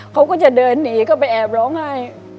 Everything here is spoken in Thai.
เขาก็จะเดินหนีก็ไปแอบร้องไห้